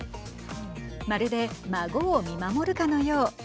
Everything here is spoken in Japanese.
まるで孫を見守るかのよう。